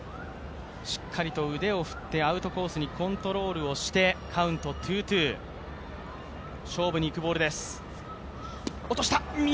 しっかりと腕を振ってアウトコースにコントロールをしてカウントツーツー、勝負に行くボールです。